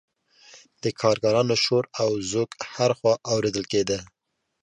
د کارګرانو شور او ځوږ هر خوا اوریدل کیده.